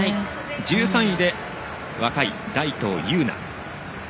１３位で若い大東優奈。